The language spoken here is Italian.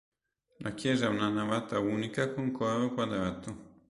La chiesa ha una navata unica con coro quadrato.